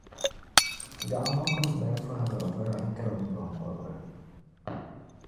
Daɣu ŋɔ ka m mali tɔhigiri vari n-tiri m biŋkɔbri.